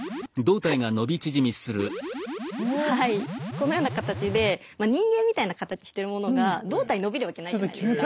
このような形で人間みたいな形してるものが胴体伸びるわけないじゃないですか。